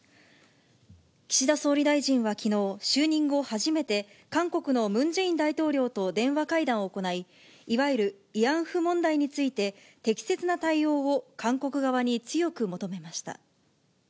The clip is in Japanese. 岸田総理大臣はきのう、就任後初めて、韓国のムン・ジェイン大統領と電話会談を行い、いわゆる慰安婦問題について、適切な対応を韓国側に強く求めました。